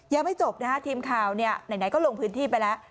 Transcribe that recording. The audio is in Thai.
ยังไม่จบนะฮะทีมข่าวเนี่ยไหนก็ลงพื้นที่ไปแล้ว